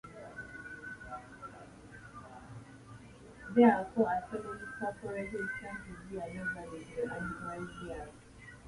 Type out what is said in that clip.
Therefore, a stolen perforated stamp would be of no value to the unauthorized bearer.